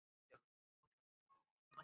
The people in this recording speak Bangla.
আজ আমরা এই পথে যাব।